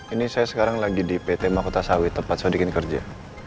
ini saya sekarang lagi di pt makuta sawit tempat saya bikin kerja